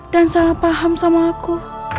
dan salah paham sama aku